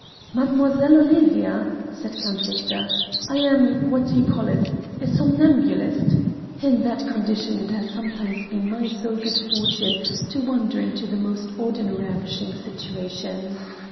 "Mademoiselle Olivia," said Count Victor, "I am what do you call it? a somnambulist. In that condition it has sometimes been my so good fortune to wander into the most odd and ravishing situations.